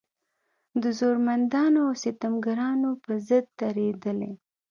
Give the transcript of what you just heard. د زورمندانو او ستمګرانو په ضد درېدلې.